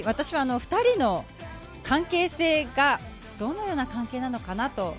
２人の関係性がどのような関係なのかなと。